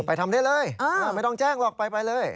ทำได้เลยไม่ต้องแจ้งหรอกไปเลย